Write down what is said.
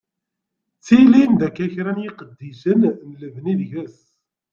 Ttilin-d akka kra n yiqeddicen n lebni deg-s.